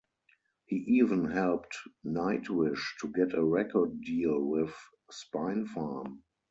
He even helped Nightwish to get a record deal with Spinefarm.